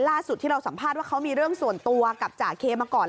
ล่าสุดที่เราสัมภาษณ์ว่าเขามีเรื่องส่วนตัวกับจ่าเคมาก่อน